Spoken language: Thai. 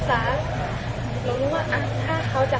เพราะว่าคุณดไปเลิศชน